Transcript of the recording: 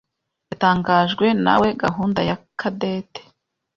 yatangajwe nawe gahunda ya Cadette.